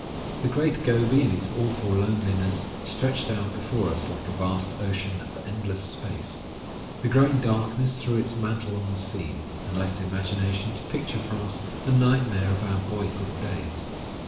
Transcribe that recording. The Great Gobi, in its awful loneliness, stretched out before us, like a vast ocean of endless space. The growing darkness threw its mantle on the scene, and left imagination to picture for us the nightmare of our boyhood days.